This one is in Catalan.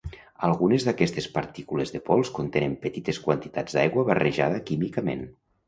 Algunes d'aquestes partícules de pols contenen petites quantitats d'aigua barrejada químicament.